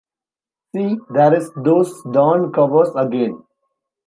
See there's those darn covers again.